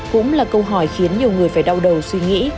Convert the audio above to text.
cũng là câu hỏi khiến nhiều người phải đau đầu suy nghĩ